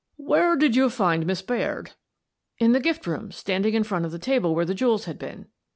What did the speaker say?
"Where did you find Miss Baird?" " In the gift room, standing in front of the table where the jewels had been."